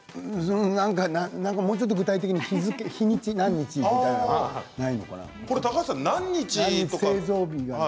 なんか、もうちょっと具体的に日付何日とかないのかな。